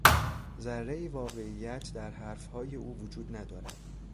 ذرهای واقعیت در حرفهای او وجود ندارد.